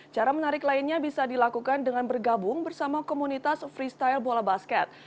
cara menarik lainnya bisa dilakukan dengan bergabung bersama komunitas freestyle bola basket